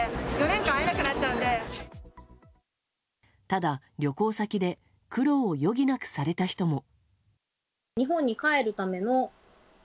ただ、旅行先で苦労を余儀なくされた人も。